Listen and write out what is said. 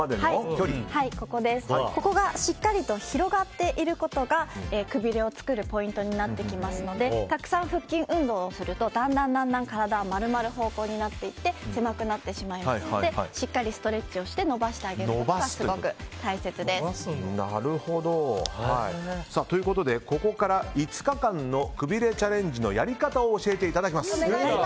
ここがしっかりと広がっていることがくびれを作るポイントになってきますのでたくさん腹筋運動をするとだんだん体は丸まって狭くなってしまいますのでしっかりストレッチをして伸ばしてあげるのが大切です。ということで、ここから５日間のくびれチャレンジのやり方を教えていただきます。